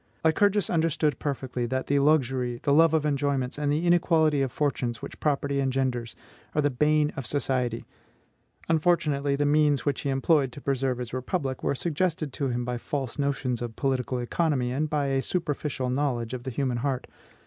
Lycurgus understood perfectly that the luxury, the love of enjoyments, and the inequality of fortunes, which property engenders, are the bane of society; unfortunately the means which he employed to preserve his republic were suggested to him by false notions of political economy, and by a superficial knowledge of the human heart.